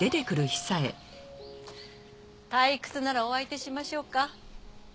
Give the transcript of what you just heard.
退屈ならお相手しましょうか？